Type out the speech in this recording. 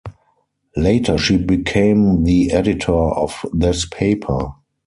Later, she became the editor of this paper.